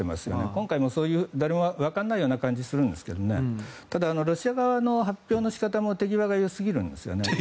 今回も誰も分からないような感じにしていますがただ、ロシア側の発表の仕方も手際が良すぎるんです。